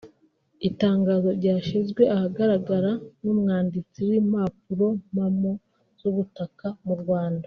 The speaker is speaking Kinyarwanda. Itangazo ryashyizwe ahagaragara n’umwanditsi w’impapurompamo z’ubutaka mu Rwanda